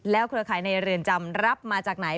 เครือข่ายในเรือนจำรับมาจากไหน